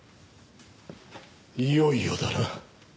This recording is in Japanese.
いよいよだな。